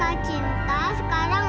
aman pasti mama cinta aman